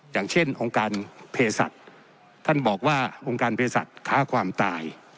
อย่างเช่นองค์การเพศัตริย์ท่านบอกว่าองค์การเพศสัตว์ฆ่าความตาย